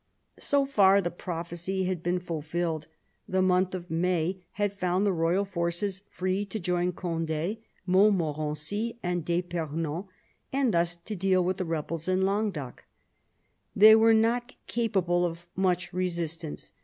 So far the prophecy had been fulfilled : the month of May had found the royal forces free to join Conde, Montmorency and d'fipernon, and thus to deal with the rebels in Languedoc. They were not capable of much resistance.